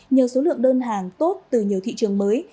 nhờ số lượng đơn hàng tốt từ nhiều thị trường mới